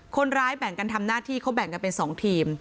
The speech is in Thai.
แบ่งกันทำหน้าที่เขาแบ่งกันเป็น๒ทีม